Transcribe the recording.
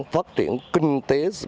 được phát triển kinh tế